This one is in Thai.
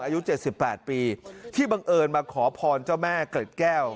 อายุ๗๘ปีที่บังเอิญมาขอพรเจ้าแม่เกร็ดแก้ว